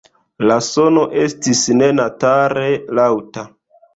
La sono estis nenature laŭta.